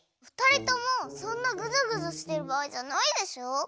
ふたりともそんなグズグズしてるばあいじゃないでしょ。